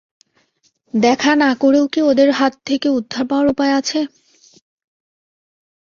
দেখা না করেও কি ওদের হাত থেকে উদ্ধার পাওয়ার উপায় আছে?